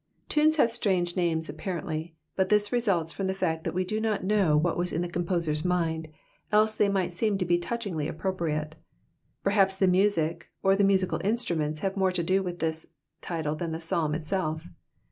Tunes have strange names apparently, but this results from the fact that we do not know what was in the composer's mind, else they might seem to be touchingly appropriaie ; perhaps the music or the musical instrumejUs have more to do tcUh this title than the Psalm itself.